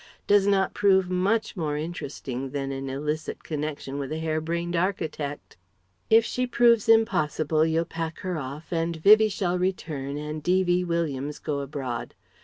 does not prove much more interesting than an illicit connection with a hare brained architect.... If she proves impossible you'll pack her off and Vivie shall return and D.V. Williams go abroad....